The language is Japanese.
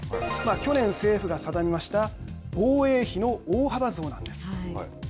去年、政府が定めました防衛費の大幅増なんです。